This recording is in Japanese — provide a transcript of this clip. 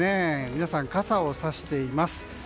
皆さん傘をさしています。